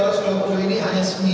mengenai pelanggaran di masa kampanye